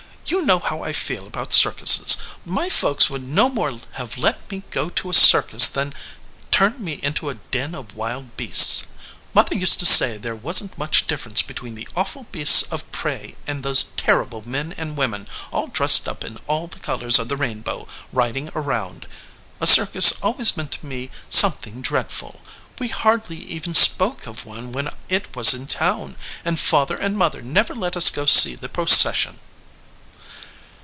You know how I feel about circuses. My folks would no more have let me go to a circus than turned me into a den of wild beasts. Mother used to say there wasn t much difference between the awful beasts of prey and those terrible men and women all dressed up in all the colors of the rainbow, riding around. A circus always meant to me something dreadful. We hardly even spoke of one when it was in town, and father and mother never let us go to see the procession."